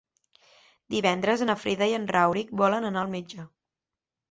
Divendres na Frida i en Rauric volen anar al metge.